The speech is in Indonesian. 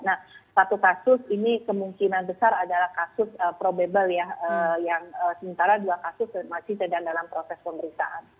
nah satu kasus ini kemungkinan besar adalah kasus probable ya yang sementara dua kasus masih sedang dalam proses pemeriksaan